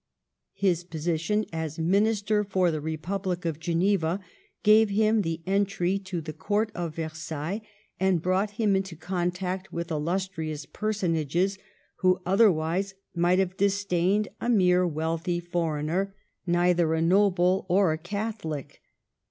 His position as Minister for the Republic of Geneva gave him the entry to the Court of Ver sailles, and brought him into contact with illus trious personages, who otherwise might have disdained a mere wealthy foreigner, neither a noble nor a Catholic.